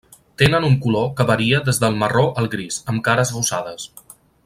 Tenen un color que varia des del marró al gris, amb cares rosades.